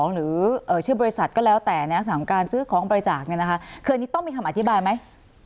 หรือชื่อบริษัทก็แล้วแต่ในลักษณะของการซื้อของบริจาคเนี่ยนะคะคืออันนี้ต้องมีคำอธิบายไหม